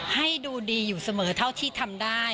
ให้ดูดีอยู่เสมอเท่าที่ทำได้